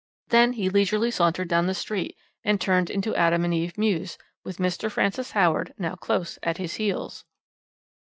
Then he leisurely sauntered down the street, and turned into Adam and Eve Mews, with Mr. Francis Howard now close at his heels.